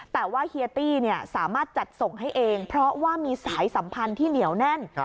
แต่ว่าเฮียตี้สามารถจัดส่งให้เองเพราะว่ามีสายสัมพันธ์ที่เหนียวแน่น